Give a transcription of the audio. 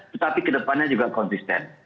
tetapi kedepannya juga konsisten